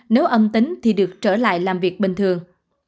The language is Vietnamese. nếu âm tính thì được trở lại làm việc bình thường